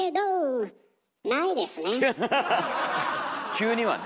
急にはね。